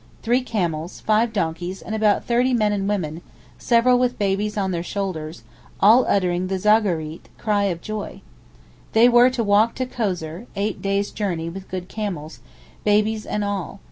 Three camels, five donkeys, and about thirty men and women, several with babies on their shoulders, all uttering the zaghareet (cry of joy). They were to walk to Koseir (eight days' journey with good camels), babies and all.